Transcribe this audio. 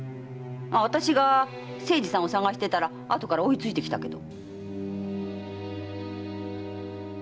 あたしが清次さんを捜してたらあとから追いついてきたけど。